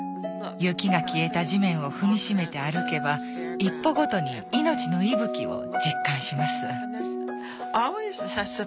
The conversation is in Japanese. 雪が消えた地面を踏みしめて歩けば一歩ごとに命の息吹を実感します。